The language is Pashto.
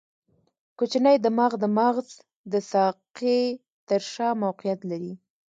کوچنی دماغ د مغز د ساقې تر شا موقعیت لري.